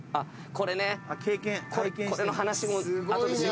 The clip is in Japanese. これの話も後で。